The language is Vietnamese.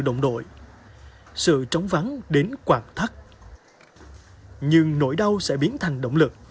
đồng đội sự trống vắng đến quạt thắt nhưng nỗi đau sẽ biến thành động lực